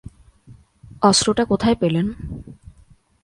অস্ত্রটা কোথায় পেলেন?